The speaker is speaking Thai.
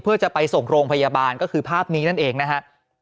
เพื่อจะไปส่งโรงพยาบาลก็คือภาพนี้นั่นเองนะฮะ